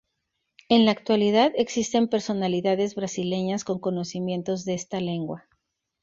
En la actualidad, existen personalidades brasileñas con conocimientos de esta lengua.